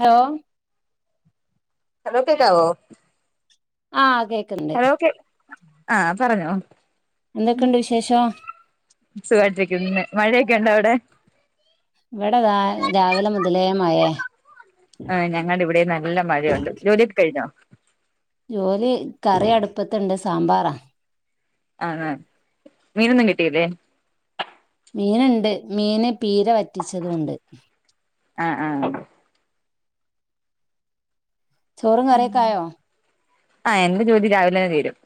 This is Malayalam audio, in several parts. ഹലോ ഹലോ കേക്കാവോ? ആഹ് കേ ഹലോ കേ ആഹ് പറഞ്ഞോ എന്തൊക്കെയുണ്ട് വിശേഷം? സുഖായിട്ടിരിക്കുന്ന് ഞാൻ മഴയൊക്കെണ്ടോ അവിടെ? ഇവിടെതാ രാവിലെ മുതലേ മഴയാ ആഹ് ഞങ്ങളുടെ ഇവിടേം നല്ല മഴയുണ്ട്. ജോലിഒക്കെ കഴിഞ്ഞോ? ജോലി കറി അടുപ്പത്തണ്ട് സാമ്പാറാ ആഹ് മീനൊന്നും കിട്ടിയില്ലേ മീനുണ്ട് മീന് പീര വറ്റിച്ചതൂണ്ട്. ആഹ് ആഹ് ചോറും കറിയൊക്കായോ ആഹ് എന്റെ ജോലി രാവിലന്നെ തീരും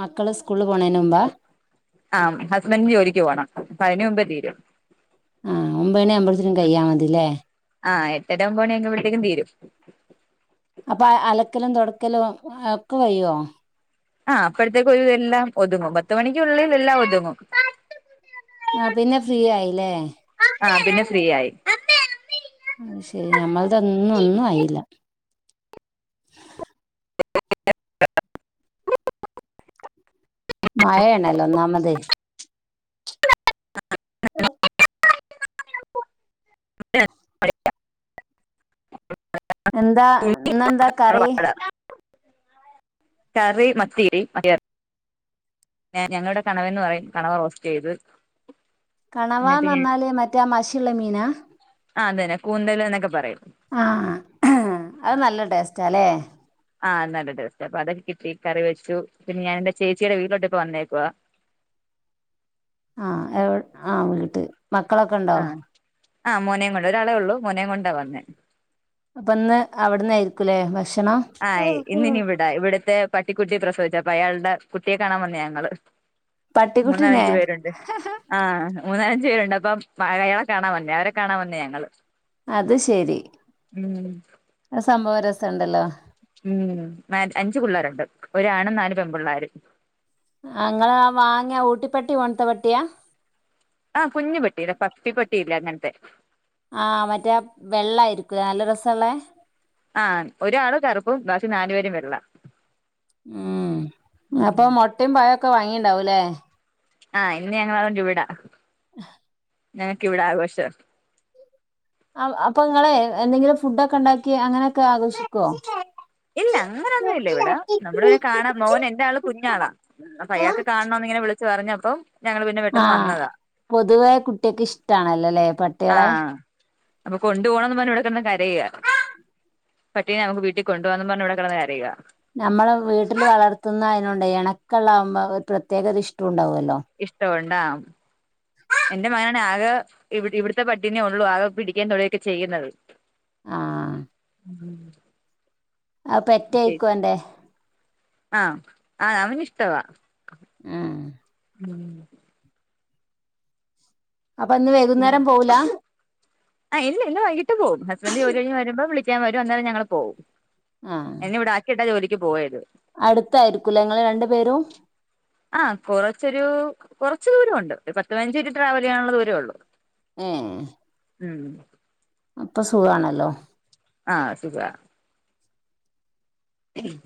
മക്കള് സ്കൂളില് പോണേന് മുമ്പാ ആഹ് ഹസ്ബന്റിന് ജോലിക്ക് പോണം അപ്പൊ അയിന്റെ മുമ്പേ തീരും. ആഹ് ഒമ്പതണി ആവുമ്പ ത്തിനും കഴിയാ മതിയല്ലേ ആഹ് എട്ടര ഒൻപത് മണിആകുമ്പഴത്തേക്കും തീരും. അപ്പൊ അലക്കലും തുടക്കലും ഒക്കെ കെയ്യുവോ? ആഹ് അപ്പഴത്തേക്കൊരു വിധം എല്ലാം ഒതുങ്ങും പത്ത് മണിക്കുള്ളിൽ എല്ലാം ഒതുങ്ങും. ആഹ് പിന്നെ ഫ്രീ ആയില്ലേ ആഹ് പിന്നെ ഫ്രീയായി അയ്ശരി ഞമ്മളതൊന്നും ഒന്നും ആയില്ല. [unintelligible] മഴയാണല്ലോ ഒന്നാമതേ ഉം കറീ കറി മത്തിരി മ ഞങ്ങളുടെ കണവന്ന് പറയും കണവ് റോസ്റ്റ് ചെയ്ത് എന്നിട്ട് കണവാന്ന് ഞാൻ പറഞ്ഞാല് മറ്റേ മശിയുള്ള മീനാ ആ അതന്നെ കൂന്തല് എന്നൊക്കെ പറയും ആഹ് അത് നല്ല ടേസ്റ്റാല്ലേ ആഹ് നല്ല ടേസ്റ്റാ അപ്പൊ അതൊക്കെ കിട്ടി കറി വെച്ചു പിന്നെ ഞാനെന്റെ ചേച്ചിയുടെ വീട്ടിലോട്ടിപ്പൊ വന്നേക്കുവാ ആ എവി ആ വീട്ട് മക്കളൊക്കെ ഇണ്ടോ? ആ മോനേം കൊണ്ട് ഒരാളെ ഉള്ളൂ മോനേം കൊണ്ടാ വന്നേ അപ്പൊ ഇന്ന് അവിടുന്നായിരിക്കൂല്ലേ ഭക്ഷണം? ആഹ് ഇന്നിനി ഇവിടാ ഇവിടുത്തെ പട്ടിക്കുട്ടി പ്രസവിച്ചപ്പ അയാളുടെ കുട്ടിയെ കാണാ വന്നേ ഞങ്ങള് പട്ടിക്കുട്ടിനെ മൂന്നാലഞ്ചു പേരുണ്ട്. ആഹ് മൂന്നാലഞ്ച് പേരുണ്ട് അപ്പം അയളെ കാണാൻ വന്നേ അവരെ കാണാൻ വന്നേ ഞങ്ങള് അത് ശെരി ഉം അത് സംഭവം രസണ്ടല്ലോ ഉം മേ അഞ്ച് പിള്ളേരുണ്ട് ഒരാണും നാല് പെൺപിള്ളേരും ആ ഇങ്ങളാ വാങ്ങിയ ഊട്ടിപ്പട്ടി പോൽത്ത പട്ടിയാ ആഹ് കുഞ്ഞി പട്ടിയില്ലെ പസ്സി പട്ടിയില്ല അങ്ങനത്തെ ആഹ് മറ്റേ വെള്ളായിരിക്കു നല്ല രസള്ളേ ആഹ് ഒരാള് കറുപ്പും ബാക്കി നാലു പേരും വെള്ള ഉം അപ്പ മുട്ടെ പഴൊക്കെ വാങ്ങിണ്ടാവൂല്ലേ ആഹ് ഇന്ന് ഞങ്ങ അതൊണ്ട് വിടാ ആഹ് ഞനക്കവിടെ ആഘോഷാ അപ്പൊ നിങ്ങളെ എന്തെങ്കിലും ഫുഡൊ ഒക്കെ ഇണ്ടാക്കി അങ്ങനെയൊക്കെ ആഘോഷിക്കുവോ ഇല്ല അങ്ങനൊന്നും ഇല്ല ഇവിടെ നമ്മുടെപിന്നെ കാണാൻ മോൻ എന്റെ ആള് കുഞ്ഞാളാ അയാക്ക് കാണോന്ന് ഇങ്ങനെ വിളിച്ചു പറഞ്ഞപ്പം ഞങ്ങള് പിന്നെ പെട്ടെന്ന് ആഹ് വന്നതാ പൊതുവേ കുട്ടികക്ക് ഇഷ്ടണല്ലോല്ലെ പട്ടികളെ ആഹ് അപ്പൊ കൊണ്ടു പോണംന്ന് പറഞ്ഞ ഇവിട കിടന്ന്കരയ പട്ടീനെ നമുക്ക് വീട്ടിൽ കൊണ്ടുവാന്നും പറഞ്ഞ ഇവികിടന്ന് കരയാ നമ്മളെ വീട്ടിൽ വളർത്തുന്ന അതിനൊണ്ട് ഇണക്കള്ളാവുമ്പോ ഒരു പ്രത്യേക ഒരു ഇഷ്ടുണ്ടാവുല്ലോ ഇഷ്ടഒണ്ടാവും എന്റെ മകനാണ് ആകെ ഇ ഇവിടുത്തെ പട്ടീനേ ഉള്ളൂ ആകെ പിടിക്കാൻ തൊടൊക്കെ ചെയ്യുന്നത് ആഹ് ഉം ആ പെറ്റയിക്കു ഒന്റെ ആഹ് ആഹ അവനി ഇഷ്ടവാ ആ ഉം അപ്പൊ ഇന്ന് വൈകുന്നേരം പോവുല ആ ഇന്ന് വൈകട്ട് പോവും ഹസ്ബന്റ് ജോലികഴിഞ് വരുമ്പം വിളിക്കൻ വരും അന്നേരം ഞങ്ങള് പോവും എന്നെ ഇവിടെ ആക്കിട്ടാ ജോലിക്ക് പോയത് അടുത്തായിരിക്കൂല്ലെ ഇങ്ങൾ രണ്ടു പേരും ആഹ് കൊറച്ചൊരു കുറച്ച് ദൂര ഉണ്ട് ഒരു പത്ത് പതിനഞ്ച് ട്രാവൽ ചെയ്യാനുള്ള ദൂരേ ഉള്ളൂ ഏഹ് ഉം അപ്പൊ സുഖാണല്ലോ ആഹ് സുഖാണ്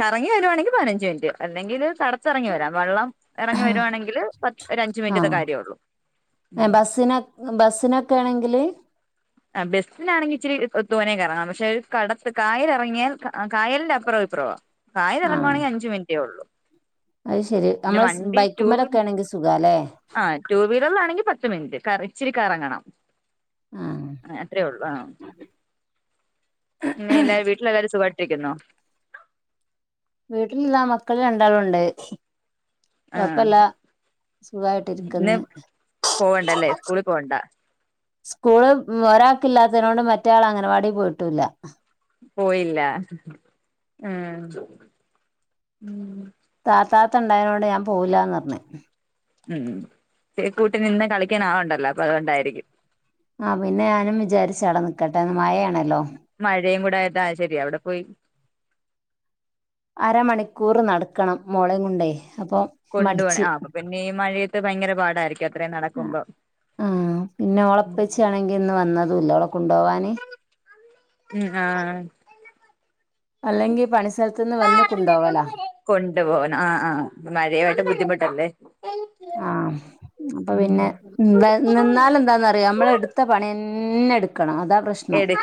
കറങ്ങി വെരുവാണെങ്കി പതിനഞ്ചു മിനിറ്റ് അല്ലെങ്കിൽ തട വറ ഇറങ്ങി വരാം വെള്ളം ഇറങ്ങി വരുവാണെങ്കിൽ പത്ത് ഒര അഞ്ച ആ മിനിറ്റത്തെ കാര്യേ ഉള്ളൂ ബസ്സിന് ബസ്സിനൊക്കെ ആണെങ്കിൽ ആ ബസ്സിനാണെങ്കിൽ ഇച്ചിരി തോനേ കറങ്ങാം പക്ഷെ ഒരു കടത്ത് കായലിറങ്ങിയാൽ കായലിന്റെ അപ്പുറം ഇപ്പറവാ കായൽ ആ ഇറങ്ങുവാണെങ്കിൽ അഞ്ച് മിനിറ്റേ ഉള്ളു അത് ശെരി നമ്മള് ബൈക്കും മലൊക്കെ ആണെങ്കിൽ സുഖാല്ലേ ടു വീലറിലാണെങ്കിൽ പത്ത് മിനിറ്റ് കറ ഇച്ചിരി കറങ്ങണം ആഹ് ആ അത്രേ ഒള്ളൂ ആഹ് പിന്നെ എല്ലാ വീട്ടിലെല്ലാരും സുഖായിട്ടിരിക്കുന്നോ? വീട്ടില് താ മക്കൾ രണ്ടാളുംണ്ട് ആ ഇന്ന് സുഖായിട്ടിരിക്കുന്ന് പോവണ്ടല്ലേ സ്കൂള പോവണ്ട സ്കൂള് ഒരാൾക്ക ഇില്ലാത്തതിനോണ്ട് മറ്റയാൾ അംഗനവാടി പോയിട്ടൂല്ല പോയില്ല ഉം താത്താത്ത ഉണ്ടായതിനോട് ഞാൻ പോവില്ലാന്ന് പറഞ്ഞ് ഉം കൂട്ടിന് നിന്ന കളിക്കൻ ആൾണ്ടല്ലോ അപ്പൊ അതുകൊണ്ടായിരിക്കും ആ പിന്നെ ഞാനും വിചാരിച്ച അടെ നിക്കട്ടെന്ന് മഴയാണല്ലോ മഴെ കൂടെയായി ശരി അവിടെ പോയി അരമണിക്കൂറ് നടക്കണം മോളേം കൊണ്ടേ അപ്പം കൊണ്ടു പോണം, ആ അപ്പ പിന്നെയീ മഴയത്ത് ഭയങ്കര പാടായിരിക്കും. അത്രയും ആ നടക്കുമ്പോ ആ പിന്നെ ഉം ഓളപ്പച്ചിയാണെങ്കി ഇന്ന് വന്നതുവില്ല ഓൾ കൊണ്ടോവാന് ഉം ആ. അല്ലെങ്കി പ കൊണ്ടു പോവാൻ ആ ആ മഴയായിട്ടു ബുദ്ധിമുട്ടല്ലേ? ആ അപ്പൊ പിന്നെ നിന്ന നിന്നാലെന്താന്നറിയോ നമ്മളെടു ത്ത പണി തന്നെ എടുക്കണം അതാ പ്രശ്നം എടു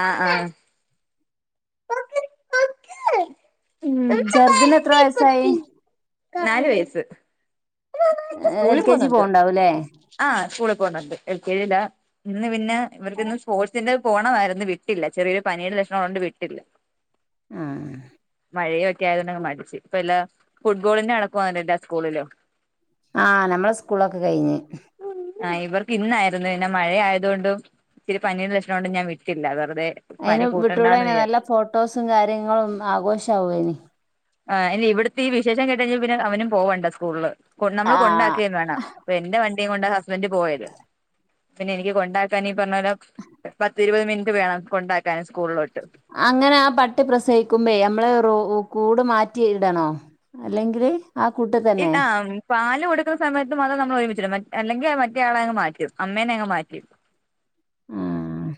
ആ ആ ചെറുതിന് എത്ര വയസായി? നാല് വയസ്സ് ഏ എൽ കെ ജി പോണൊണ്ടാവൂല്ലേ? ആ സ്കൂളി പോന്നൊണ്ട് എൽ കെ ജി ലാ ഇന്ന് പിന്നെ ഇവർക്കിന്നു സ്പോർട്സിന്റെ പോണയിരുന്നു വിട്ടില്ല ചെറിയൊരു പനീടെ ലക്ഷണം അതു കൊണ്ട് വിട്ടില്ല ആ മഴയൊക്കെ ആയതുകൊണ്ടങ്ങു മടിച്ചു ഇപ്പ എല്ലാ ഫുട്ബോളിന്റെ നടക്കുവാണെല്ലാ സ്കൂളിലും ആ നമ്മളെ സ്കൂളൊക്കെ കഴിഞ്ഞ്. ആ ഇവർക്ക് ഇന്നായിരുന്നു പിന്നെ മഴ ആയതുകൊണ്ടും ഇച്ചിരെ പനീടെ ലക്ഷണം കൊണ്ടും ഞാൻ വിട്ടില്ല, വെറുതെ അതിനെ പനി കൂട്ടണ്ടാന്ന് വിട്ടൂടാരുന്നോ നല്ല വിചാരിച്ചു ഫോട്ടോസും കാര്യങ്ങളും ആഘോഷാവും അയിന്. ആ ഇനി ഇവിടുത്തെ ഈ വിശേഷം കേട്ടഴിഞ്ഞൽ പിന്നെ അവനും പോവണ്ട സ്കൂളില് കൊ നമ്മള് ആഹ് കൊണ്ടാക്കുവേം വേണം. ഇപ്പെന്റെ വണ്ടീം കൊണ്ടാ ഹസ്ബന്റ് പോയത്. പിന്നെ എനിക്ക് കൊണ്ടാക്കാനീ പറഞ്ഞ പോലെ പത്ത് ഇരുപത് മിനിറ്റ് വേണം കൊണ്ടാക്കാന് സ്കൂളിലോട്ട്. അങ്ങനെ ആ പട്ടി പ്രസവിക്കുമ്പേ നമ്മള് റ കൂട് മാറ്റി ഇടണോ? അല്ലെങ്കില്? ആ കൂട്ട ഈ കാ പാല് കൊടുക്കുന്ന സമയത്ത് മാത്രം നമ്മളൊരുമിച്ചിടും അല്ലെങ്കി മറ്റയാളെയങ്ങു മാറ്റും അമ്മേനെ അങ്ങു മാറ്റും. ആ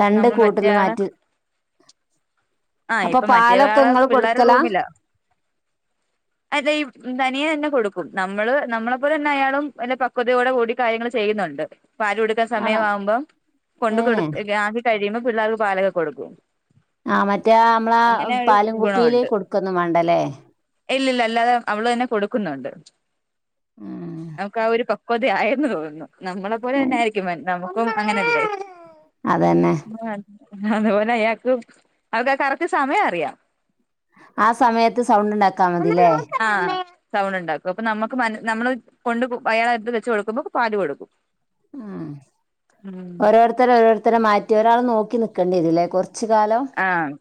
രണ്ട് നമ്മൾ കൂട്ടില് മറ്റേയാളെ മാറ്റി ആഹ് അപ്പൊ ഇപ്പൊ മറ്റേയാളെ പാലൊക്കെങ്ങള് പിള്ളേര് കൊടുക്കലാ ല്ല തനിയെ തന്നെ കൊടുക്കും നമ്മള്, നമ്മളെ പോലെ തന്നെ അയാളും നല്ല പക്വതയോടെ കൂടി കാര്യങ്ങൾ ചെയ്യുന്നൊണ്ട്. പാല് കൊടുക്കാൻ ആണോ സമയമാവുമ്പം കൊണ്ട കൊടു ഏഹ് ആക്കി കഴിയുമ്പോ പിള്ളേർക്ക് പാലൊക്കെ കൊടുക്കും. ആ മറ്റേ ആ നമ്മളാ അങ്ങനെ ഒരു പാലും കുപ്പീല് ഗുണമുണ്ട് കൊടുക്ക്ന്നും വേണ്ടല്ലേ? ഇല്ലില്ല അല്ലാതെ അവള് തന്നെ കൊടുക്കുന്നൊണ്ട്. ഉം ആ ഒരു പക്വതയായെന്ന് തോന്നുന്നു നമ്മളെ പോലെ തന്നെ ആയിരിക്കും നമുക്കും അങ്ങനല്ലേ. അതന്നെ. അതുപോലെ അയാക്ക് അവർക്കാ കറക്റ്റ് സമയം അറിയാം ആ സമയത്ത് സൗണ്ട് ഉണ്ടാക്കാ മതില്ലേ ആഹ് സൗണ്ട് ഉണ്ടാക്കും അപ്പൊ ആ നമ്മുക്ക് നമ്മള് കൊണ്ട് അയയാളടുത്ത് വെച്ച കൊടുക്കുമ്പോ പാല് കൊടുക്കും ഉ ഉം ഓരോരുത്തരെ ഓരോരുത്തരെ മാറ്റി ഒരാൾ നോക്കി നക്കണ്ട ഇതില്ലേ ച്ചു കാലം? ആഹ്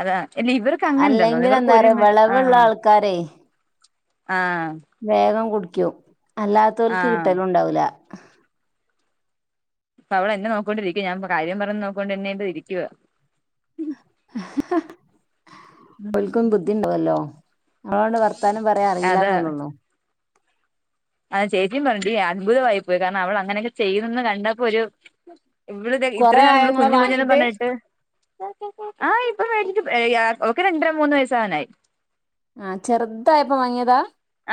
അതാ ഇല്ല ഇവർക്കങ്ങനെണ്ടന്നോ അല്ലെങ്കിൽ എന്താ പറയാ ഇവർക്കൊരുമി വിളവുള്ള ആഹ് ആൾക്കാരെ ആഹ് വേഗം കുടിക്കും അല്ലാത്തവർക്ക് ആഹ് കിട്ടലുണ്ടാവൂല അവളെന്നെ നോക്കോണ്ടിരിക്ക ഞാൻപ്പ കാര്യം പറയുന്ന നോക്കിക്കൊണ്ടെന്നെ ഇപ്പ ഇരിക്കുവാ ഓല്ക്കും ബുദ്ധി ഉണ്ടാവല്ലോ ഞമ്മളിവിടെ വർത്താനം പറ ലെ അറിയില്ലന്നല്ലേ ഉള്ളു അതെ ചേച്ചിം പറഞ്ഞെടീ അത്ഭുതമായി പോയി കാരണം അവളങ്ങനെയൊക്കെ ചെയ്യുന്നുന്ന് കണ്ടപ്പോ ഒരു ഇവിള് ഇത് കൊറേ ഇത്രയും നാള് ആയോ നമ്മള് ഇങ്ങള് കുഞ്ഞ് കുഞ്ഞെന്നും വാങ്ങീട്ട് പറഞ്ഞിട്ട് ആഹ് ഇപ്പൊ മേടിക്കും ഓക്ക് രണ്ടര മൂന്ന് വയസാവാനായി ആഹ് ചെറുതായപ്പ വാങ്ങിയതാ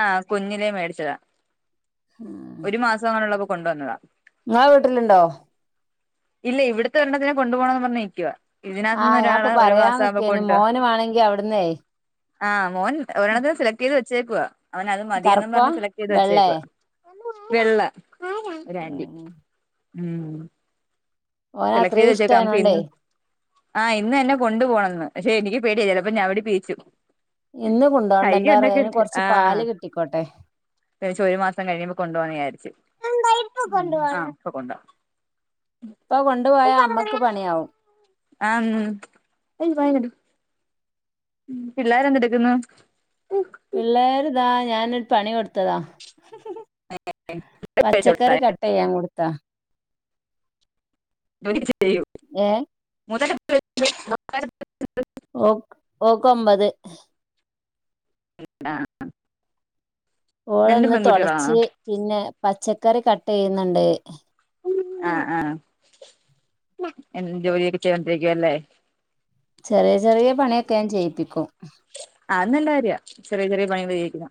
ആഹ് കുഞ്ഞിലേ മേടിച്ചതാ ഒരു മാസം എങ്ങാണ്ടുള്ളപ്പോ കൊണ്ടുവന്നതാ നിങ്ങളെ വീട്ടിലുണ്ടോ ഇല്ല ഇവിടുത്തെ ഒരെണ്ണത്തിനെ കൊണ്ട് പോകണമെന്നും പറഞ്ഞ് നിക്കുവ ആ ഇതിനകത്തുന്നൊരാള ഞാൻപ്പൊ ഒരു പറയാൻ മാസം നിക്കേനി ആവുമ്പോക്കൊണ്ട്പോവാ മോന് വാണെങ്കി അവിടുന്നേ ആഹ് മോൻ ഓരെണ്ണത്തിന സെലക്ട് ചെയ്ത് വെച്ചേക്കുവ അവനത് മതിയെന്നും കറുപ്പ പറഞ്ഞ് സെലക്ട് ചെയ്ത് വെള്ളേ വെച്ചേക്കുവ വെള്ള ഒരാന്റി ഉം ഓന് സെലക്ട് ചെയ്ത് അത്രയും വെച്ചേക്കുവാ അവൻ ഇഷ്ടായനോണ്ടേ ഇന്ന് ആഹ് ഇന്ന് എന്നെ കൊണ്ട് പോണംന്ന് പക്ഷെ എനിക്ക് പേടിയ ചിലപ്പോ ഞവിടി പീച്ചും ഇന്ന് കൊണ്ട്പോണ്ട എന്താ അറിയോ അതിന് കൊറച്ച് പാല് കിട്ടിക്കോട്ടെ വിചാരിച്ച് ഒരു മാസം കഴിയുമ്പൊ കൊണ്ടു പോകാന്ന് വിചാരിച്ച് ഉം ഇപ്പ [unintelligible] ഉം പിള്ളേര് എന്തെടുക്കുന്നു പിള്ളേര് ദാ ഞാനൊരു പണി കൊടുത്തതാ പച്ചക്കറി കട്ട് ചെയ്യാൻ കൊടുത്തതാ ജോലി ഒക്കെ ചെയ്യുവോ ഏഹ് [unintelligible] ഓ ഓക്കൊമ്പത് [unintelligible] രണ്ടും ഓളൊന്ന് പെൺകുട്ടികളാണോ തൊടച്ച് പിന്നെ പച്ചക്കറി കട്ട് ചെയ്യുന്നുണ്ട് ആഹ് ആഹ് എന്നും ജോലിയൊക്കെ ചെയ്തൊണ്ടിരിക്കുവല്ലേ ചെറിയ ചെറിയ പണിയൊക്കെ ഞാൻ ചെയ്യിപ്പിക്കും അത് നല്ല കാര്യവാ ചെറിയ ചെറിയ പണികൾ ചെയ്യിക്കുന്ന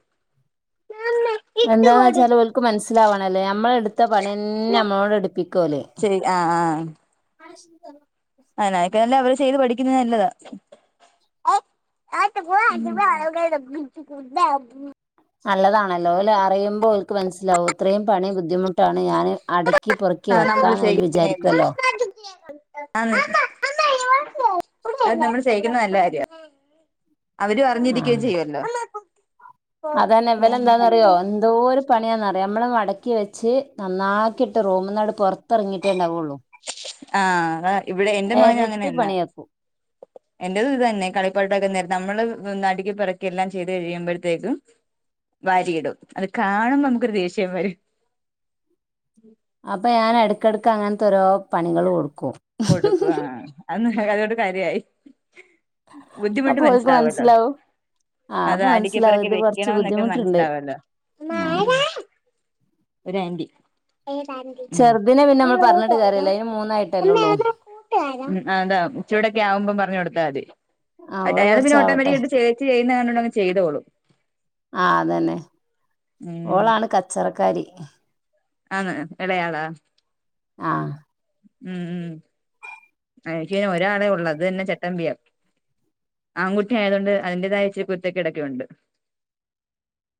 എന്താന്ന് വെച്ചാല് ഓൽക്ക് മനസ്സിലാവണല്ലോ ഞമ്മളെടുത്ത പണി തന്ന നമ്മളോട് എടുപ്പിക്കുവോല് ശരി ആഹ് ആഹ് [unintelligible] ആ [unintelligible] അവര് ചെയ്ത് പഠിക്കുന്നത് നല്ലതാ [inaudible] നല്ലതാണല്ലോ ഓല് അറിയുമ്പോ അവൾക്ക് മനസ്സിലാവും ഇത്രയും പണി ബുദ്ധിമുട്ടാണ് ഞാൻ അട് ആ നമ്മള് ചെയ്യുന്നെന്ന് ആന്ന് അത് നമ്മള് ചെയ്യിക്കുന്നത് നല്ല കാര്യവാ അവരും അറിഞ്ഞിരിക്കയും ആഹ് ചെയ്യുവല്ലോ അതന്നെ എവല് എന്താന്നറിയോ എന്തോരു പണിയാന്നറിയോ നമ്മള് മടക്കി വെച്ച് നന്നാക്കിയിട്ട് റോമൊന്നാട് പുറത്തിറങ്ങിയിട്ടേണ്ടാവുള്ളൂ ആഹ് ഇവിടെ എന്റെ മകനും അങ്ങനെ എരട്ടി തന്നാ പണിയാക്കും എന്റെത് ഇത് തന്നെ കളിപ്പാട്ടൊക്കെ നേരന്ന് നമ്മള് നടിക്ക് പെറക്കി എല്ലാം ചെയ്ത് കഴിയുമ്പോഴത്തേക്കും വാരിയിടും അത് കാണുമ്പ നമുക്കൊരു ദേഷ്യം വരും അപ്പൊ ഞാൻ എടക്കടക്ക് അങ്ങന തൊ രോ പണികൾ കൊടുക്കും കൊടുക്കും ആ ഹ് അന്ന് അതോട് കാര്യായി ബുദ്ധിമുട്ട് അപ്പൊ ഓൽക്ക് മനസ്സിലാവല്ലോ മനസ്സിലാവും ആഹ് അത് അപ്പൊ അടി മനസ്സിലാവും കിപ്പറകി ഇത് കൊറച്ച് വെക്കണംന്നൊക്കെ ബുദ്ധിമുട്ടുണ്ട് മനസ്സിലാവല്ലോ മ്മാ ആഹ് ആരാ ഒരാൻ്റി ഏതാന്റി ചെറുദിനെ പിന്നെ നമ്മൾ പറഞ്ഞിട്ട്കാര്യല്ല അയിന് മൂന്നായിട്ടല്ലേള്ളൂ ഉ അതാ ചൂടൊക്കെ ആവുമ്പം പറഞ്ഞു കൊടുത്താ മതി. ആഹ് അ ഓള് അയാൾ പിന്നേ ഓട്ടോമാറ്റി കൊറച്ചാവട്ടെ കായിട്ട്ചേച്ചി ചെയ്യുന്ന കണ്ടങ് ചെയ്തോളും ആ അതന്നെ ഉം ഓളാണ് കച്ചറക്കാരി. ആണോ ഇളയാളാ? ആഹ്. ഉം ഉം അനിക്കി പിന്നെ ഒരാളെള്ളു അത് തന്നെ പട്ടംബ്യാ ആൺകുട്ടിയായതൊണ്ട് അതിന്റേതായ ഇച്ചിരി കുത്തേകേടൊക്കെയുണ്ട്